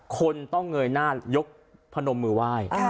คนต้องเงยหน้ายกพนมมือไหว้